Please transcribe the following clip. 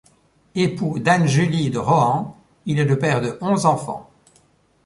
Époux d'Anne Julie de Rohan, il est le père de onze enfants.